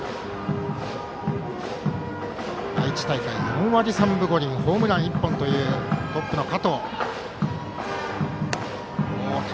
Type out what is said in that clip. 愛知大会４割３分５厘ホームラン１本というトップの加藤。